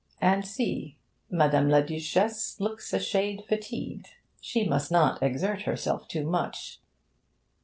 And see! Madame la Duchesse looks a shade fatigued. She must not exert herself too much.